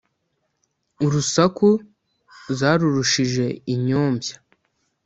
urusaku zarurushije inyombya,